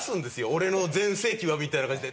「俺の全盛期は」みたいな感じで。